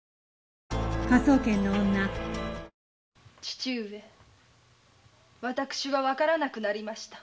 父上わからなくなりました。